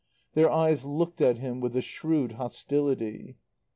Their eyes looked at him with a shrewd hostility.